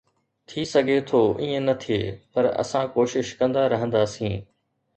ٿي سگهي ٿو ائين نه ٿئي، پر اسان ڪوشش ڪندا رهنداسين